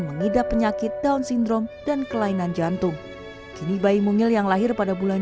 mengidap penyakit down syndrome dan kelainan jantung kini bayi mungil yang lahir pada bulan